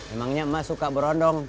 emangnya mak suka berondong